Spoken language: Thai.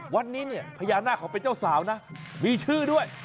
วัดนี้เนี่ยพญานาคเขาเป็นเจ้าสาวนะมีชื่อด้วย